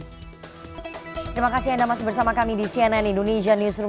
terima kasih anda masih bersama kami di cnn indonesia newsroom